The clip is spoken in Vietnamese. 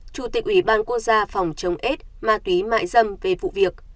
chủ tịch ủy ban quốc gia phòng chống ết ma túy mại dâm về vụ việc